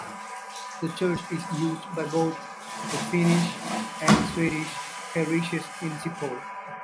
The church is used by both the Finnish and Swedish parishes in Sipoo.